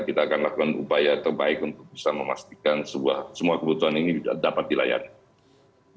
kita akan lakukan upaya terbaik untuk bisa memastikan semua kebutuhan ini dapat dilayani